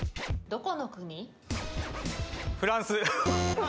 どこの国？